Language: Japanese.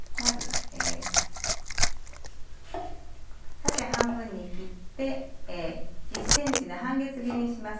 縦半分に切って１ｃｍの半月切りにします